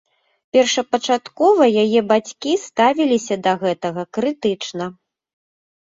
Першапачаткова яе бацькі ставіліся да гэтага крытычна.